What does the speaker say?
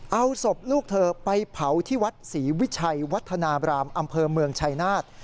เอาศพลูกเธอไปเผาที่วัดศรีวิชัยวัฒนาบรามอำเภอเมืองชายนาฏ